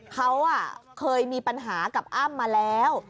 เขาเคยมีปัญหากับอ้ำมาแล้ว